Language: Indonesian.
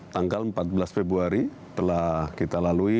tanggal empat belas februari telah kita lalui